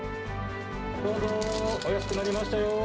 どうぞ、お安くなりましたよ。